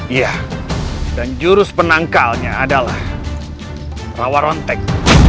iya dan jurus penangkalnya adalah rawarontek